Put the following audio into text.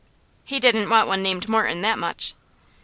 "He didn't want one named Morton that much."